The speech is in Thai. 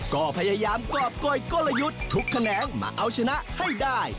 ก็พยายามกรอบก้อยกลยุทธ์ทุกแขนงมาเอาชนะให้ได้